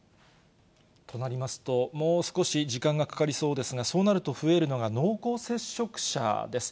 となりますと、もう少し時間がかかりそうですが、そうなると増えるのが濃厚接触者です。